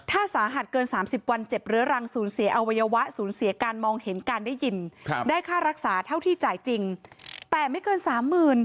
ถ้าสาหัสเกิน๓๐วันเจ็บเรื้อรังศูนย์เสียอวัยวะสูญเสียการมองเห็นการได้ยินได้ค่ารักษาเท่าที่จ่ายจริงแต่ไม่เกินสามหมื่น